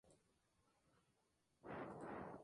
Prost y Lauda demostraron ser una combinación formidable..